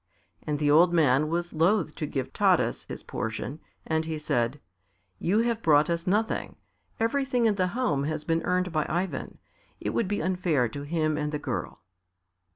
And the old man was loath to give Taras his portion, and he said, "You have brought us nothing; everything in the home has been earned by Ivan; it would be unfair to him and the girl."